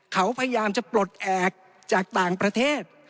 เขาพยายามจะปลดแอบจากต่างประเทศ